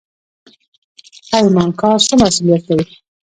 پیمانکار څه مسوولیت لري؟